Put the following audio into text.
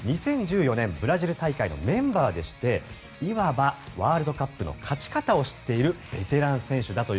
２０１４年ブラジル大会のメンバーでしていわばワールドカップの勝ち方を知っているベテラン選手だと。